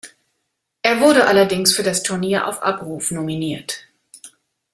Er wurde allerdings für das Turnier auf Abruf nominiert.